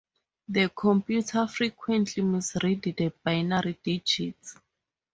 The computer frequently misread the binary digits.